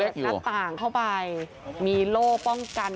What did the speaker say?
หน้าต่างเข้าไปมีโล่ป้องกัน